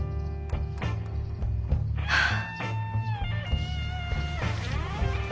はあ。